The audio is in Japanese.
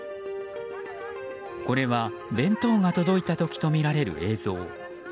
これは、弁当が届いた時とみられる映像。